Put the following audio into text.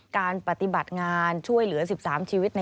สวัสดีค่ะสวัสดีค่ะ